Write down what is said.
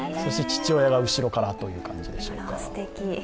父親が後ろからという感じでしょうか。